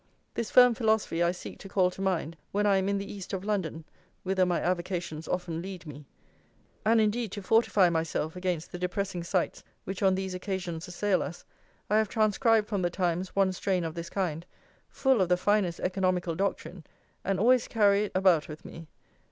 This firm philosophy I seek to call to mind when I am in the East of London, whither my avocations often lead me; and, indeed, to fortify myself against the depressing sights which on these occasions assail us, I have transcribed from The Times one strain of this kind, full of the finest economical doctrine, and always carry it about with me.